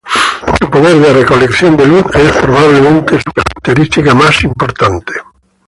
Su poder de recolección de luz es probablemente su característica más importante.